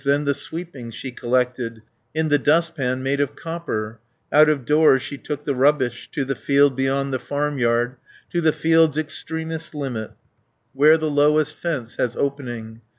Then the sweepings she collected In the dustpan made of copper; Out of doors she took the rubbish, To the field beyond the farmyard, To the field's extremest limit, Where the lowest fence has opening.